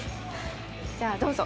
じゃあどうぞ。